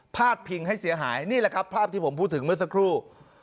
ดพิงให้เสียหายนี่แหละครับภาพที่ผมพูดถึงเมื่อสักครู่